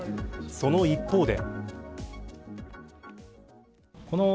その一方で。